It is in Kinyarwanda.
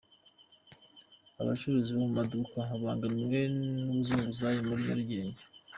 Abacururiza mu maduka babangamiwe n’Abazunguzayi Muri Nyarugenge